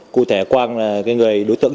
cụ thể quang là người đối tượng